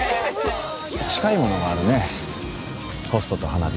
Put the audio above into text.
近いものがあるねホストと花火。